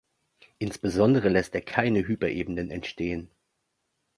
Insbesondere lässt er keine Hyperebenen entstehen.